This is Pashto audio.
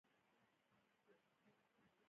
شاوخوا کورونه به یې لکه خونړي ښامار تېرول.